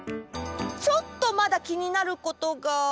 ちょっとまだきになることが。